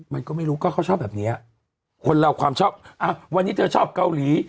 มันก็ไม่รู้ก็เขาชอบแบบเนี้ยคนเราความชอบอ่ะวันนี้เธอชอบเกาหลี